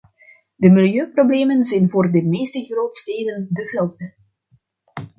De milieuproblemen zijn voor de meeste grootsteden dezelfde.